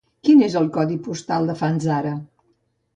Quin és el codi postal de Fanzara?